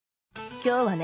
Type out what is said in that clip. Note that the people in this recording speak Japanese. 今日はね！